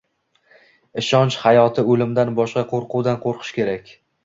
Ishonch hayoti o'limdan boshqa qo'rquvdan qo'rqish kerak.